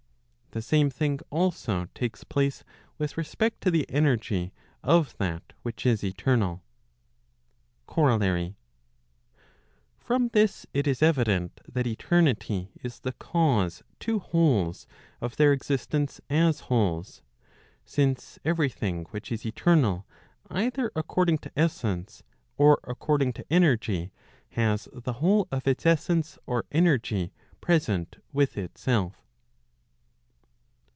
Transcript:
The same thing also takes place with respect to the energy of that which Is eternal. COROLLA ET. From this it is evident that eternity is the cause to wholes of their existence as wholes, since every thing which is eternal either according to essence, or according to energy, has the whole of its essence or energy present with itself.